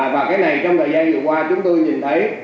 và cái này trong thời gian vừa qua chúng tôi nhìn thấy